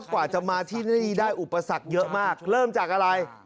สายไปแล้วไง